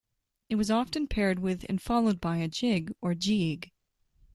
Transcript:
It was often paired with and followed by a jig or gigue.